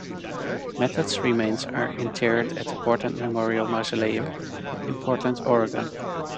Methot's remains are interred at the Portland Memorial Mausoleum in Portland, Oregon.